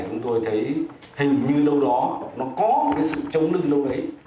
chúng tôi thấy hình như đâu đó nó có cái sự chống lưng đâu đấy